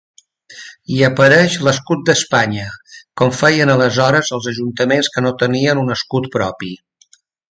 Hi apareix l'escut d'Espanya, com feien aleshores els ajuntaments que no tenien un escut propi.